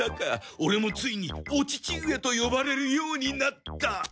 オレもついにお父上と呼ばれるようになった！